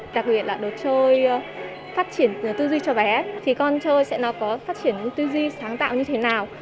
đặc biệt là đồ chơi phát triển tư duy cho bé thì con chơi sẽ nó có phát triển những tư duy sáng tạo như thế nào